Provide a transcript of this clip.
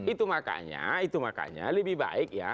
itu makanya itu makanya lebih baik ya